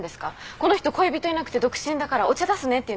この人恋人いなくて独身だからお茶出すねって言うんですか？